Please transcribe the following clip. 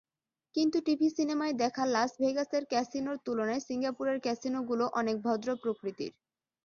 কিন্তু টিভি-সিনেমায় দেখা লাস ভেগাসের ক্যাসিনোর তুলনায় সিঙ্গাপুরের ক্যাসিনোগুলো অনেক ভদ্র প্রকৃতির।